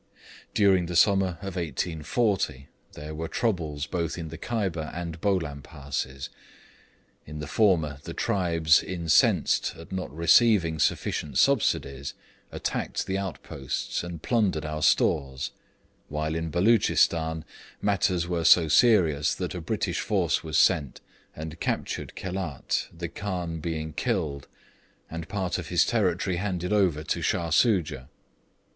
During the summer of 1840 there were troubles both in the Kyber and Bolam passes. In the former the tribes, incensed at not receiving sufficient subsidies, attacked the outposts and plundered our stores; while in Beloochistan matters were so serious that a British force was sent, and captured Khelat, the Khan being killed, and part of his territory handed over to Shah Soojah.